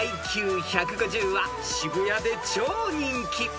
［ＩＱ１５０は渋谷で超人気］